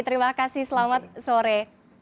terima kasih selamat sore